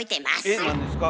えっ何ですか？